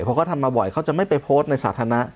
เพราะเขาทำมาบ่อยเขาจะไม่ไปโพสต์ในสาธารณะ